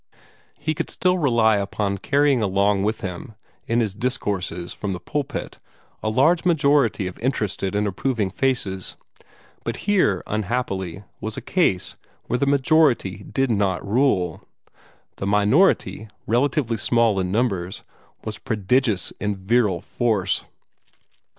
He could still rely upon carrying along with him in his discourses from the pulpit a large majority of interested and approving faces. But here, unhappily, was a case where the majority did not rule. The minority, relatively small in numbers, was prodigious in virile force.